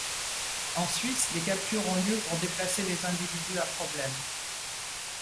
En Suisse, des captures ont lieu pour déplacer les individus à problème.